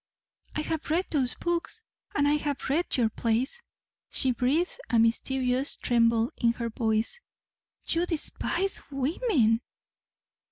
"I have read those books and I have read your plays," she breathed, a mysterious tremble in her voice. "You despise women!"